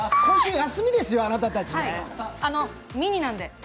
今週休みですよ、あなたたちね。ミニなんで。